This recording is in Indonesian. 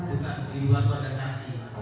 bukan di luar pada saksi